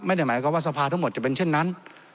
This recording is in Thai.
ไม่ได้หมายความว่าสภาทั้งหมดจะเป็นเช่นนั้น